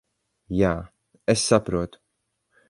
Jā, es saprotu.